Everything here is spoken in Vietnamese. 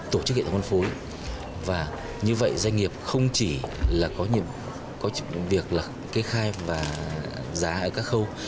tổ chức hệ thống phân phối và như vậy doanh nghiệp không chỉ là có việc là kê khai và giá ở các khâu